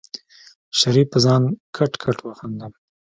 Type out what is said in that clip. شريف په ځان کټ کټ وخندل.